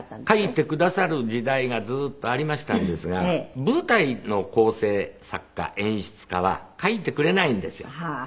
書いてくださる時代がずっとありましたんですが舞台の構成作家演出家は書いてくれないんですよ。